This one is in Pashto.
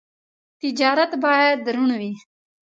تجارت باید روڼ وي.